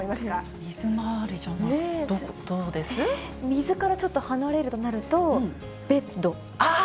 水からちょっと離れるとなるあー！